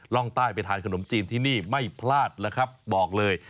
ร่องใต้ไปทานขนมจีนที่นี่ไม่พลาดแล้วครับบอกเลย